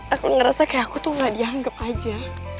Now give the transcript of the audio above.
aku ngerasa kayak aku tuh gak dianggap aja